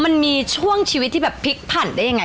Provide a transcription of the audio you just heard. มันมีช่วงชีวิตที่แบบพลิกผันได้ยังไง